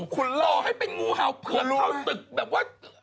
คุณหล่อให้เป็นงูเห่าเผือกเข้าตึกแบบว่า